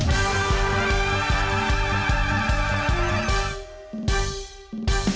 มันเป็นอะไร